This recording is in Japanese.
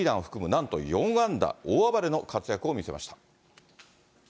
なんと４安打、大暴れの活躍を見せました。